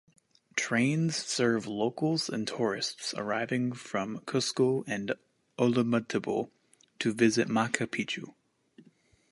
Trains serve locals and tourists arriving from Cusco and Ollantaytambo to visit Machu Picchu.